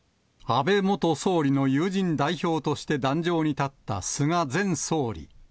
安倍元総理の友人代表として壇上に立った菅前総理。